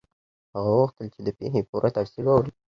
هغه وغوښتل چې د پیښې پوره تفصیل واوري.